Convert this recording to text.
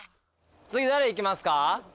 次誰いきますか？